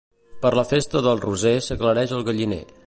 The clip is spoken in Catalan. Per la festa del Roser s'aclareix el galliner.